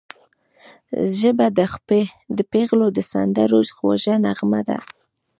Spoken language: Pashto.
ژبه د پېغلو د سندرو خوږه نغمه ده